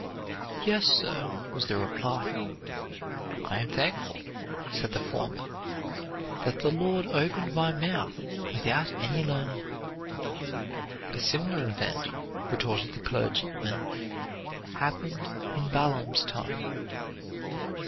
"Yes, sir," was the reply. "I am thankful," said the former, "that the Lord opened my mouth without any learning." "A similar event," retorted the clergyman, "happened in Balaam's time."